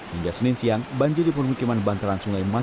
hingga senin siang banjir di permukiman bantaran sungai masih